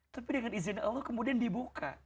tapi dengan izin allah kemudian dibuka